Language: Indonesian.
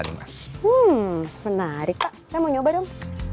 hmm menarik pak saya mau nyoba dong